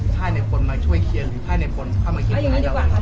ค่าแน็ตคนมาช่วยเคลียร์หรือค่าแน็ตคนเข้ามาคิดงาน